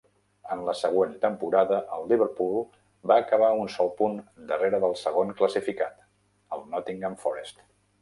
En la següent temporada, el Liverpool va acabar un sol punt darrere del segon classificat, el Nottingham Forest.